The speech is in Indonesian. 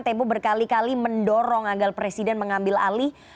tempo berkali kali mendorong agar presiden mengambil alih